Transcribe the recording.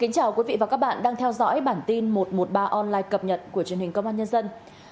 chào mừng quý vị đến với bản tin một trăm một mươi ba online cập nhật của truyền hình công an nhân dân